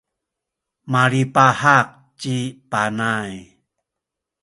malipahak ci Panay.